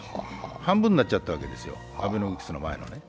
半分になっちゃったわけですよ、アベノミクスの前のね。